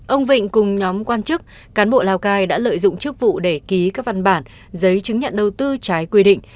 ông vịnh cùng nhóm quan chức cán bộ lào cai đã lợi dụng chức vụ để ký các văn bản giấy chứng nhận đầu tư trái quy định